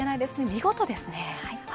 見事ですね。